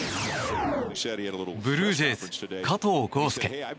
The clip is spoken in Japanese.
ブルージェイズ、加藤豪将。